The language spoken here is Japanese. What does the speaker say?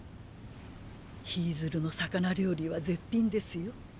ヒィズルの魚料理は絶品ですよ。